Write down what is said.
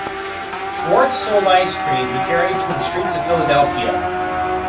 Schwarz sold ice cream he carried through the streets of Philadelphia.